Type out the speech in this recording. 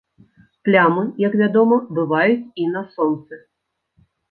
Плямы, як вядома, бываюць і на сонцы.